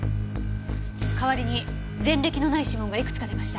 かわりに前歴のない指紋がいくつか出ました。